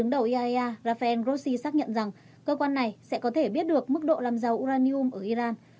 nhận rằng cơ quan này sẽ có thể biết được mức độ làm giàu uranium ở iran